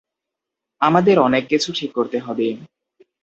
আমাদের অনেক কিছু ঠিক করতে হবে।